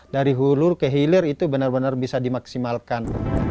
dari hulu ke hilir itu benar benar bisa dimaksimalkan